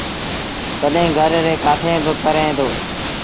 تڏهيݩ گھر ريٚݩ ڪآٺيٚن با ڪري دو